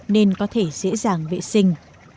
nên có thể dễ dàng vệ sinh